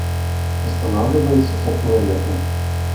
Останавливается около репы.